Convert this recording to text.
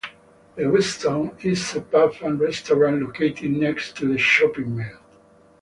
"The Winston" is a pub and restaurant located next to the shopping mall.